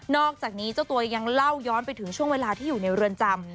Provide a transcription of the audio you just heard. อกจากนี้เจ้าตัวยังเล่าย้อนไปถึงช่วงเวลาที่อยู่ในเรือนจำ